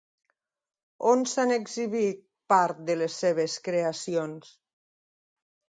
On s'han exhibit part de les seves creacions?